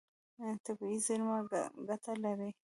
طبیعي زیرمه ګټه لري.